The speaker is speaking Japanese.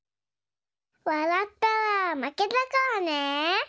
わらったらまけだからね。